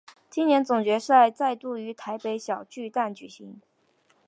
今年总决赛再度于台北小巨蛋举行。